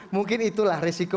mungkin itulah risiko